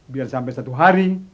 biar sampai satu hari